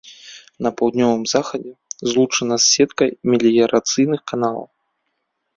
На паўднёвым захадзе злучана з сеткай меліярацыйных каналаў.